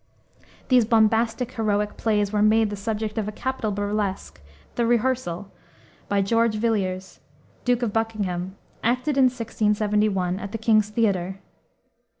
These bombastic heroic plays were made the subject of a capital burlesque, the Rehearsal, by George Villiers, Duke of Buckingham, acted in 1671 at the King's Theater.